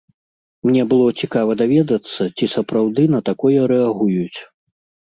Мне было цікава даведацца, ці сапраўды на такое рэагуюць.